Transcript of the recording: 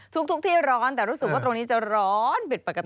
ทุกที่ร้อนแต่รู้สึกว่าตรงนี้จะร้อนบิดปกติ